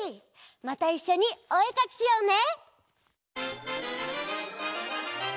またいっしょにおえかきしようね！